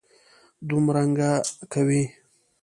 دومرنګه کوي.